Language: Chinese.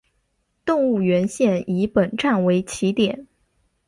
动物园线以本站为起点。